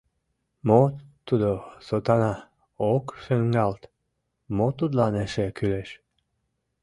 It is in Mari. — Мо тудо, сотана, ок шуҥгалт, мо тудлан эше кӱлеш?